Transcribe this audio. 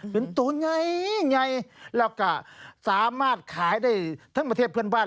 เป็นตูนไงไงแล้วก็สามารถขายได้ทั้งประเทศเพื่อนบ้าน